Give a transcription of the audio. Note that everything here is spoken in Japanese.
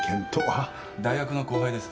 大学の後輩です。